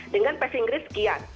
dengan pes inggris sekian